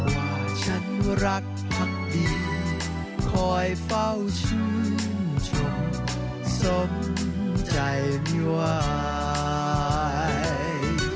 ว่าฉันรักพักดีคอยเฝ้าชื่นชมสมใจไม่ไหว